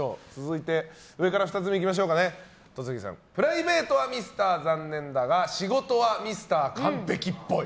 続いて、プライベートはミスター残念だが仕事はミスター完璧っぽい。